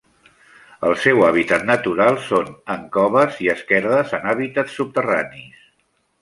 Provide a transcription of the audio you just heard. El seu hàbitat natural són en coves i esquerdes en hàbitats subterranis.